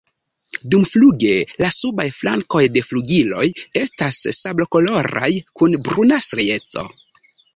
Dumfluge la subaj flankoj de flugiloj estas sablokoloraj kun bruna strieco.